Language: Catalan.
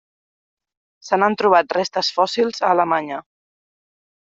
Se n'han trobat restes fòssils a Alemanya.